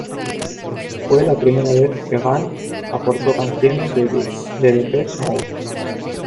Fue la primera vez que Gahan aportó canciones a Depeche Mode.